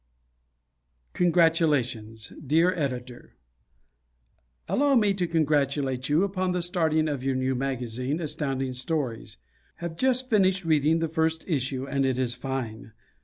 Congratulations Dear Editor: Allow me to congratulate you upon the starting of your new magazine, Astounding Stories. Have just finished reading the first issue and it is fine.